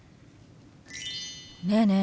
ねえねえ